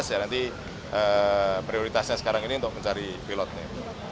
ya nanti prioritasnya sekarang ini untuk mencari pilotnya